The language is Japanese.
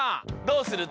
どうする？